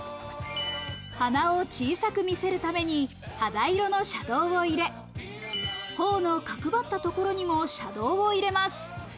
鼻を小さく見せるために肌色のシャドーを入れ、頬の角ばったところにもシャドーを入れます。